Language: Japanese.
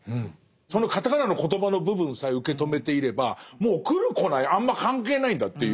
そのカタカナのコトバの部分さえ受け止めていればもう来る来ないあんま関係ないんだっていう。